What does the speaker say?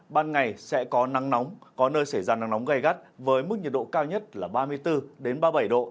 ban ngày sẽ có nắng nóng có nơi xảy ra nắng nóng gai gắt với mức nhiệt độ cao nhất là ba mươi bốn ba mươi bảy độ